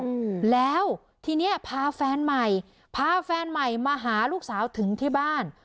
อืมแล้วทีเนี้ยพาแฟนใหม่พาแฟนใหม่มาหาลูกสาวถึงที่บ้าน